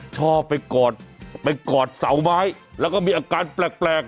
ชอบไปกอดไปกอดเสาไม้แล้วก็มีอาการแปลก